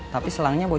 tapi selangnya berbeda